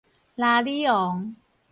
鯪鯉王